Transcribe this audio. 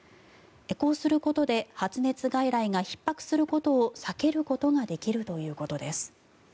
こうすることで発熱外来がひっ迫することを避けることができるということです。